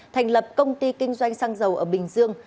thành lập công ty kinh doanh xăng dầu ở bình dương